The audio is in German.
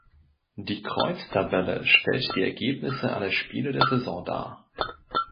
Die Kreuztabelle stellt die Ergebnisse aller Spiele der Saison dar.